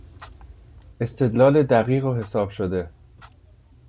استدلال دقیق و حساب شده